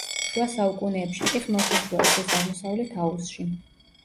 შუა საუკუნეებში კი ხმელთაშუა ზღვის აღმოსავლეთ აუზში.